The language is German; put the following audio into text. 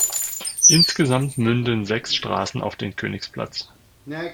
Insgesamt münden sechs Straßen auf den Königsplatz.